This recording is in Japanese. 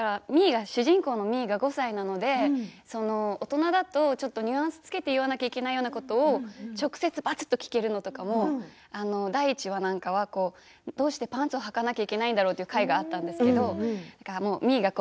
主人公のみーが５歳なので大人だとちょっとニュアンスつけて言わなければいけないようなことも直接聞けるのとかも第１話なんかはどうしてパンツをはかなきゃいけないんだろうという回があったんですけどみ